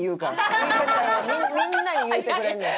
みんなに言うてくれんねん。